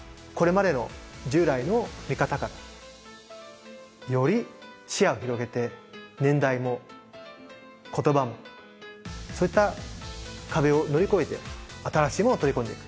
これまでの従来の見方からより視野を広げて年代も言葉もそういった壁を乗り越えて新しいものを取り込んでいく。